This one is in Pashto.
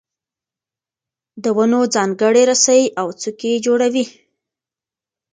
د ونو څانګې رسۍ او څوکۍ جوړوي.